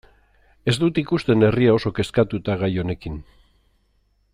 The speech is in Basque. Ez dut ikusten herria oso kezkatuta gai honekin.